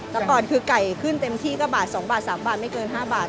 แต่ก่อนคือไก่ขึ้นเต็มที่ก็บาท๒บาท๓บาทไม่เกิน๕บาท